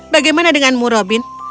bagaimana denganmu robin